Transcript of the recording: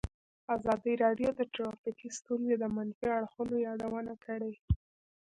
ازادي راډیو د ټرافیکي ستونزې د منفي اړخونو یادونه کړې.